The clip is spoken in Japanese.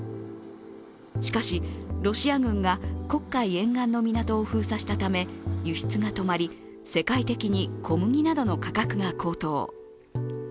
しかし、ロシア軍が黒海沿岸の港を封鎖したため輸出が止まり、世界的に小麦などの価格が高騰。